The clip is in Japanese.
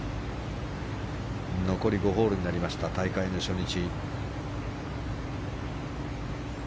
残り５ホールになりました大会の初日。